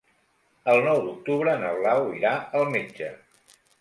El nou d'octubre na Blau irà al metge.